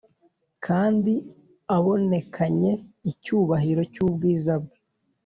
kandi abonekanye icyubahiro cyubwiza bwe